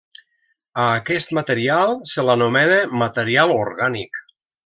A aquest material se l'anomena material orgànic.